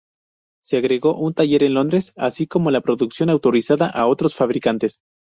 Se agregó un taller en Londres, así como la producción autorizada a otros fabricantes.